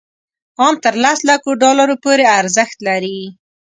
ان تر لس لکو ډالرو پورې ارزښت لري.